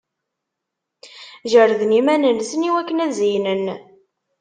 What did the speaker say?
Jerden iman-nsen i wakken ad-zeynen.